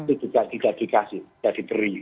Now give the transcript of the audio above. itu juga tidak dikasih tidak diberi